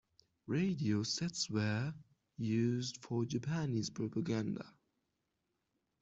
Radio sets were used for Japanese propaganda.